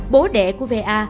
bố đẻ của va